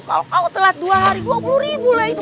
kalau kau telat dua hari dua puluh ribu lah itu